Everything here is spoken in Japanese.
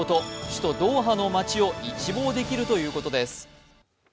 首都ドーハの町を一望できるということです。